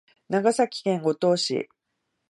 長崎県五島市